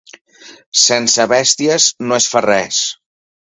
Sense bèsties no es fa res.